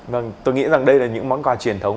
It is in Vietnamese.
vâng tôi nghĩ rằng đây là những món quà truyền thống